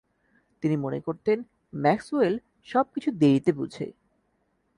তিনি মনে করতেন ম্যাক্সওয়েল সবকিছু দেরিতে বুঝে।